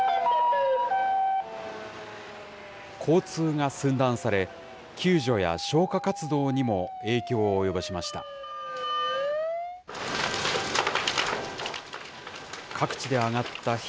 交通が寸断され、救助や消火活動にも影響を及ぼしました。